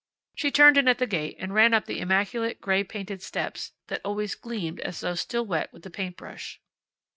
She turned in at the gate and ran up the immaculate, gray painted steps, that always gleamed as though still wet with the paint brush.